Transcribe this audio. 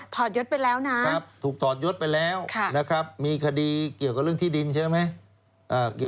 ภูการวิสุธิ์